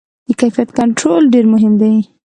د کیفیت کنټرول ډېر مهم دی.